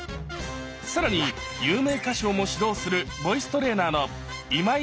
更に有名歌手をも指導するボイストレーナーの今井マサキさん